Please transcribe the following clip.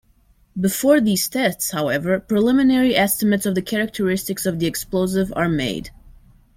Before these tests, however, preliminary estimates of the characteristics of the explosive are made.